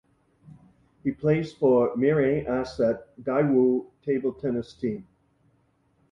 He plays for Mirae Asset Daewoo table tennis team.